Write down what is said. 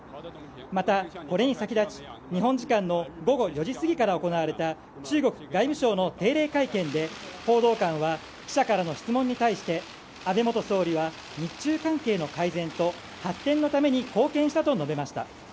また、これに先立ち日本時間の午後４時すぎから行われた中国外務省の定例会見で報道官は記者からの質問に対して安倍元総理は日中関係の改善と発展のために貢献したと述べました。